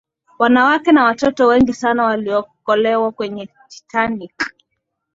wanawake na watoto wengi sana waliokolew kwenye titanic